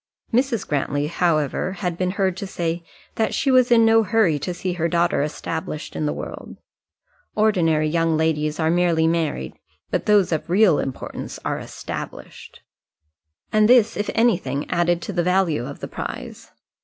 Mrs. Grantly, however, had been heard to say, that she was in no hurry to see her daughter established in the world; ordinary young ladies are merely married, but those of real importance are established: and this, if anything, added to the value of the prize.